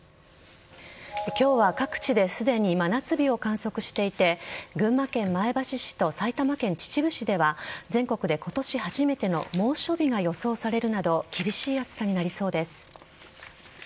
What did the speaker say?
今日は各地ですでに真夏日を観測していて群馬県前橋市と埼玉県秩父市では全国で今年初めての猛暑日が予想されるなど厳しい暑さになりそうです。